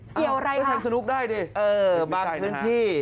เกี่ยวอะไรก็ทำสนุกได้ดิเออบางพื้นที่